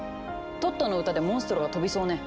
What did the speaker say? トットの歌でモンストロが飛びそうね。